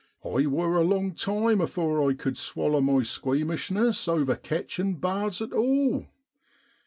I wor a long time afore I cud swaller my squeamishness over ketch in' bards at all.